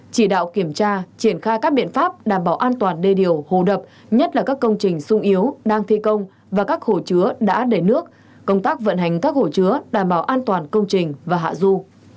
chỉ đạo kiểm tra triển khai các biện pháp đảm bảo an toàn đê điều hồ đập nhất là các công trình sung yếu đang thi công và các hồ chứa đã đầy nước công tác vận hành các hồ chứa đảm bảo an toàn công trình và hạ du